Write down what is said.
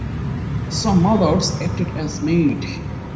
Some mothers acted as maids.